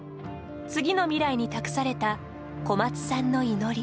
次の未来に託された小松さんの祈り。